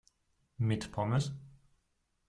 Mit Pommes?